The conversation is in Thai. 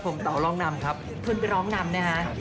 สวัสดีครับผมเต๋ารองนำครับ